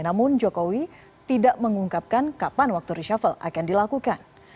namun jokowi tidak mengungkapkan kapan waktu reshuffle akan dilakukan